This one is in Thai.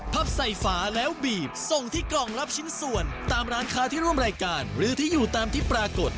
ใส่ฝาแล้วบีบส่งที่กล่องรับชิ้นส่วนตามร้านค้าที่ร่วมรายการหรือที่อยู่ตามที่ปรากฏ